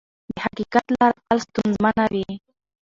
د حقیقت لاره تل ستونزمنه وي.